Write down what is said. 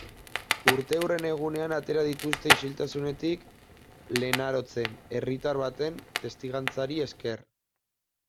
Urteurren egunean atera dituzte isiltasunetik Lenarotzen, herritar baten testigantzari esker.